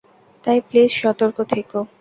তাই প্লিজ সতর্ক থেকো।